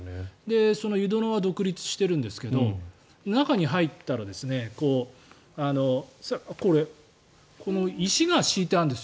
その湯殿は独立してるんですけど中に入ったらこれ、この石が敷いてあるんです。